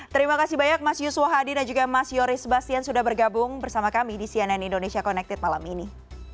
terima kasih banyak mas yusuf hadi dan juga mas yoris sebastian sudah bergabung bersama kami di cnn indonesia connected malam ini